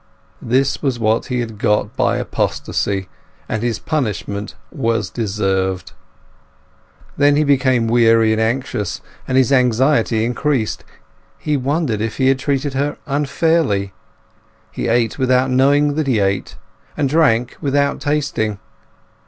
This was what he had got by apostasy, and his punishment was deserved. Then he became weary and anxious, and his anxiety increased. He wondered if he had treated her unfairly. He ate without knowing that he ate, and drank without tasting.